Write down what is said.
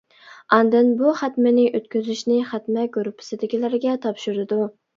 ئاندىن بۇ خەتمىنى ئۆتكۈزۈشنى خەتمە گۇرۇپپىسىدىكىلەرگە تاپشۇرىدۇ.